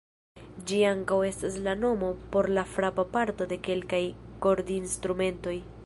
Ĝi ankaŭ estas la nomo por la frapa parto de kelkaj kordinstrumentoj.